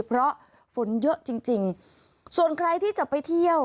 เพราะฝนเยอะจริงจริงส่วนใครที่จะไปเที่ยว